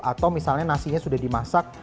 atau misalnya nasinya sudah dimasak